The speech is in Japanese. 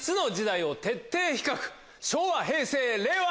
昭和平成令和！